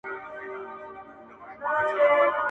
چي څونه به لا ګرځي سرګردانه په کوڅو کي؛